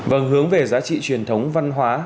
vầng hướng về giá trị truyền thống văn hóa